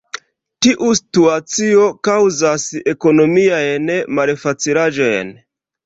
Tiu situacio kaŭzas ekonomiajn malfacilaĵojn.